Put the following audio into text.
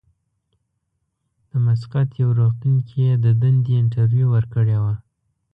د مسقط یوه روغتون کې یې د دندې انټرویو ورکړې وه.